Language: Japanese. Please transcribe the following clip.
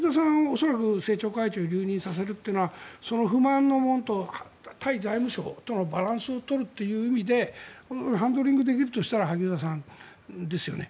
恐らく政調会長留任させるというのは不満のものと対財務省とのバランスを取るという意味でハンドリングできるとしたら萩生田さんですよね。